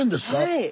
はい。